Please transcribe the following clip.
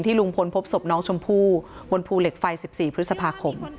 ลุงพลพบศพน้องชมพู่บนภูเหล็กไฟ๑๔พฤษภาคม